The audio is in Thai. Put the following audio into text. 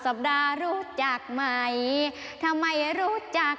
น้ำตาตกโคให้มีโชคเมียรสิเราเคยคบกันเหอะน้ำตาตกโคให้มีโชค